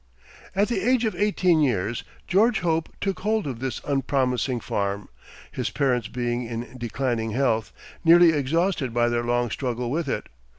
At the age of eighteen years, George Hope took hold of this unpromising farm, his parents being in declining health, nearly exhausted by their long struggle with it.